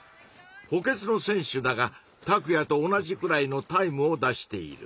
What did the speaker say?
補欠の選手だがタクヤと同じくらいのタイムを出している。